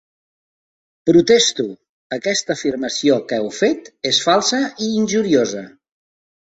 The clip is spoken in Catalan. Protesto!: aquesta afirmació que heu fet és falsa i injuriosa.